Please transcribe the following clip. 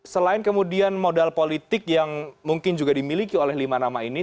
selain kemudian modal politik yang mungkin juga dimiliki oleh lima nama ini